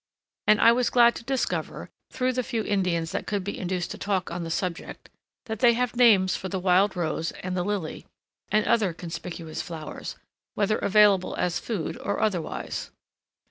And I was glad to discover, through the few Indians that could be induced to talk on the subject, that they have names for the wild rose and the lily, and other conspicuous flowers, whether available as food or otherwise.